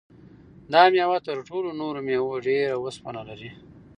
دا مېوه تر ټولو نورو مېوو ډېر اوسپنه لري.